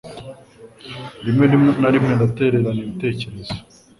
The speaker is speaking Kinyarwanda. Rimwe na rimwe ndatererana ibitekerezo